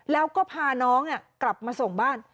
แล้วก็พาน้องกลับมาส่งบ้าน